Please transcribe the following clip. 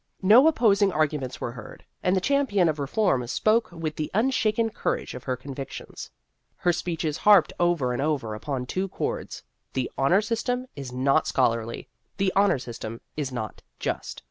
No opposing arguments were heard, and the champion of reform spoke with the un shaken courage of her convictions. Her speeches harped over and over upon two chords : the " Honor System " is not scholarly ; the " Honor System " is not just.